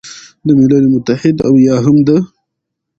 د ملل متحد او یا هم د